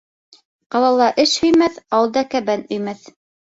Ҡалала эш һөймәҫ, ауылда кәбән өймәҫ.